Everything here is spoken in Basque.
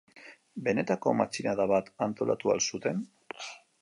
Benetako matxinada bat antolatu al zuten?